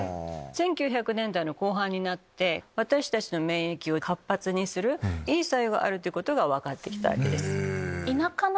１９００年代の後半になって私たちの免疫を活発にするいい作用があることが分かった。